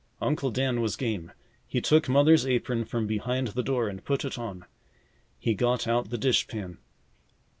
Uncle Dan was game. He took Mother's apron from behind the door and put it on. He got out the dish pan.